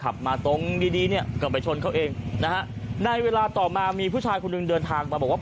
ขับมาตรงดีดีเนี่ยก็ไปชนเขาเองนะฮะในเวลาต่อมามีผู้ชายคนหนึ่งเดินทางมาบอกว่า